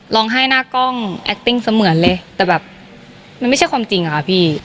ร้องไห้หน้ากล้องแอคติ้งเสมือนเลยแต่แบบมันไม่ใช่ความจริงอะค่ะพี่